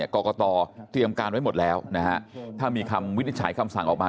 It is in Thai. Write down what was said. กรกตเตรียมการไว้หมดแล้วนะฮะถ้ามีคำวินิจฉัยคำสั่งออกมา